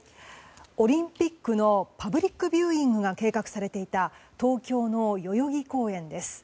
オリンピックのパブリックビューイングが計画されていた東京の代々木公園です。